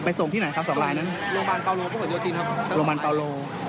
ไปส่งที่ไหนครับสองลายนั้นโรงพยาบาลปาโลโรงพยาบาลปาโล